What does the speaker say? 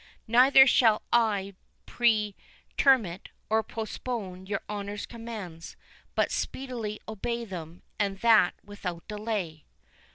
Neither shall I pretermit or postpone your honour's commands, but speedily obey them, and that without delay."